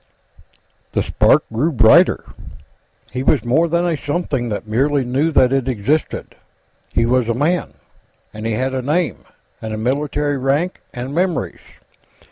The Spark grew brighter. He was more than a something that merely knew that it existed. He was a man, and he had a name, and a military rank, and memories.